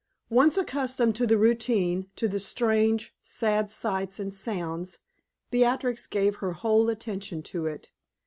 Once accustomed to the routine, to the strange, sad sights and sounds, Beatrix gave her whole attention to it.